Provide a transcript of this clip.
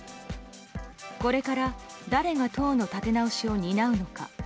これから誰が党の立て直しを担うのか。